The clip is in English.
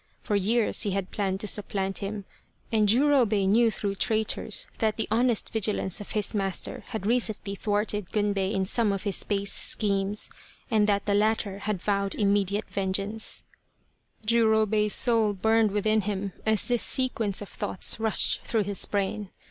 For years he had planned to supplant him, and Jurobei knew through traitors that the honest vigilance of his master had recently thwarted Gunbei in some of his base schemes, and that the latter had vowed im mediate vengeance. 4 The Quest of the Sword Jurobei's soul burned within him as this sequence of thoughts rushed through his brain.